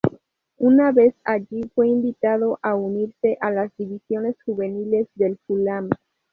Una vez allí fue invitado a unirse a las divisiones juveniles del Fulham.